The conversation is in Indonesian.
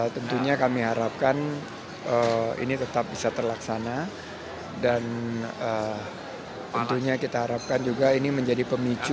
tentunya kami harapkan ini tetap bisa terlaksana dan tentunya kita harapkan juga ini menjadi pemicu